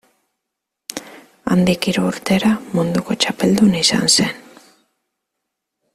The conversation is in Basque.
Handik hiru urtera munduko txapeldun izan zen.